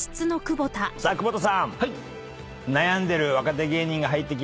さあ久保田さん。